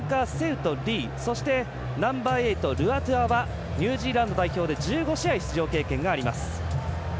そして、ナンバーエイトルアトゥアはニュージーランド代表で１５試合、出場経験があります。